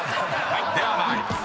［では参ります。